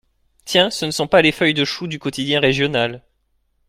Tiens, ce ne sont pas les feuilles de choux du quotidien régional.